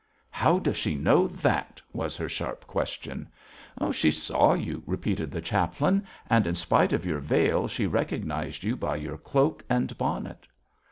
'How does she know that?' was her sharp question. 'She saw you,' repeated the chaplain; 'and in spite of your veil she recognised you by your cloak and bonnet.'